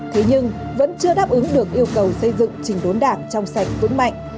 thế nhưng vẫn chưa đáp ứng được yêu cầu xây dựng trình đốn đảng trong sạch vững mạnh